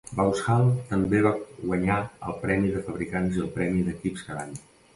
Vauxhall també va guanyar el Premi de Fabricants i el Premi d'Equips cada any.